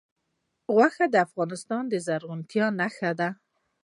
غوښې د افغانستان د زرغونتیا نښه ده.